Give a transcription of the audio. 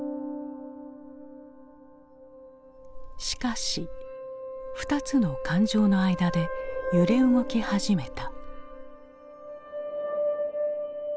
しかし２つの感情の間で揺れ動き始めた。